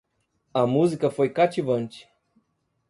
A música foi cativante.